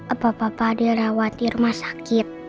apa papa ada rawat di rumah sakit